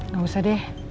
gak usah deh